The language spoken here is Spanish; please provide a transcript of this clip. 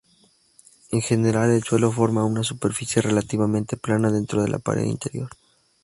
En general, el suelo forma una superficie relativamente plana dentro de la pared interior.